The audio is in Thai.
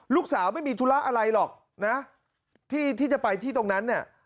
ลูกสาวไม่มีธุระอะไรหรอกนะที่จะไปที่ตรงนั้นเนี่ย